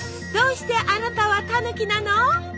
どうしてあなたはたぬきなの？